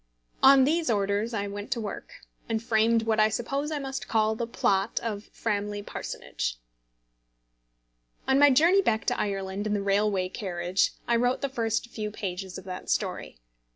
On these orders I went to work, and framed what I suppose I must call the plot of Framley Parsonage. On my journey back to Ireland, in the railway carriage, I wrote the first few pages of that story.